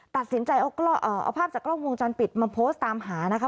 ตัดสินใจเอาภาพจากกล้องวงจรปิดมาโพสต์ตามหานะคะ